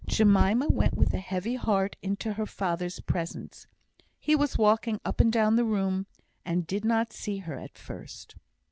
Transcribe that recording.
Jemima went with a heavy heart into her father's presence. He was walking up and down the room, and did not see her at first.